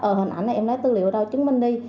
ờ hình ảnh này em lấy tư liệu ở đâu chứng minh đi